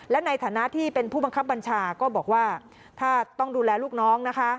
และในฐานะที่เป็นผู้บังคับบัญชาก็บอกว่าถ้าต้องดูแลลูกน้องนะคะ